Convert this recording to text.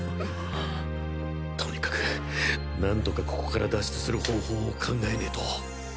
とにかく何とかここから脱出する方法を考えねぇと。